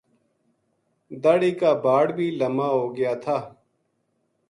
داڑھی کا باڑ بھی لما ہو گیا تھا